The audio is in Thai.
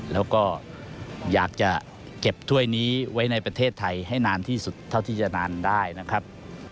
แล้วก็อยากจะเก็บถ้วยนี้ไว้ในประเทศไทยให้นานที่สุดเท่าที่จะนานได้นะครับ